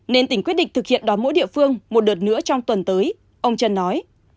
nên tỉnh quyết định thực hiện đón mỗi địa phương một đợt nữa trong tuần tới ông trân nói